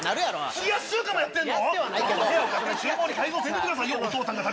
冷やし中華もやってるの。